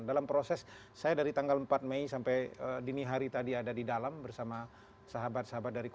dalam proses saya dari tanggal empat mei sampai dini hari tadi ada di dalam bersama sahabat sahabat dari